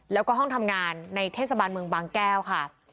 แล้วก็ห้องทำงานในเทศบาลเมืองบางแก้วค่ะ